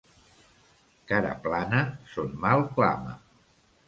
Cara plana son mal clama.